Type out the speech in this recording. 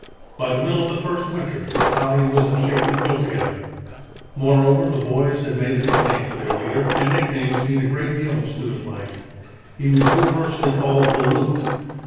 "By the middle of the first winter the battalion was in shape to drill together. Moreover, the boys had made a nickname for their leader, and nicknames mean a great deal in student life. He was universally called 'the Lieut.'